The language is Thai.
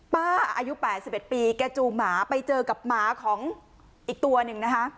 ป้าอายุ๘๑ปีแกจูงหมาไปเจอกับหมาของอีกตัวหนึ่งนะคะ